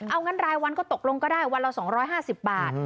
เอางั้นรายวันก็ตกลงก็ได้วันละ๒๕๐บาท